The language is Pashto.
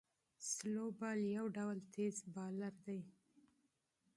سلو بال یو ډول تېز بالر دئ.